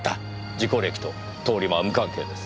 事故歴と通り魔は無関係です。